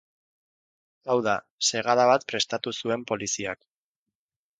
Hau da, segada bat prestatu zuen Poliziak.